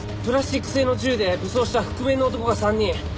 プラスチック製の銃で武装した覆面の男が３人。